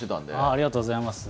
ありがとうございます。